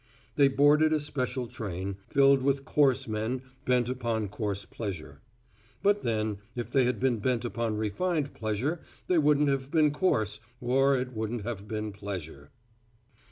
They boarded a special train, filled with coarse men bent upon coarse pleasure. But then, if they had been bent upon refined pleasure they wouldn't have been coarse or it wouldn't have been pleasure.